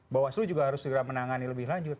bawas lu juga harus segera menangani lebih lanjut